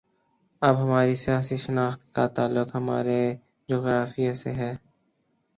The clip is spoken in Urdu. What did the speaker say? اب ہماری سیاسی شناخت کا تعلق ہمارے جغرافیے سے ہے۔